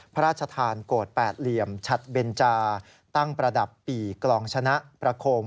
พระราชทานโกรธแปดเหลี่ยมฉัดเบนจาตั้งประดับปีกลองชนะประโคม